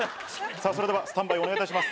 さあ、それではスタンバイお願いいたします。